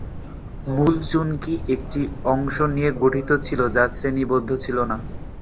মূল চুনকি একটি অংশ নিয়ে গঠিত ছিল যা শ্রেণীবদ্ধ ছিল না।